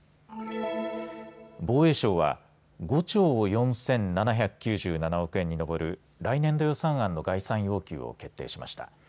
防衛省は５兆４７９７億円に上る来年度予算案の概算要求を決定しました。